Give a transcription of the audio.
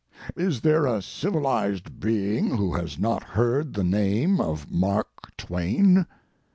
Is there a civilized being who has not heard the name of Mark Twain?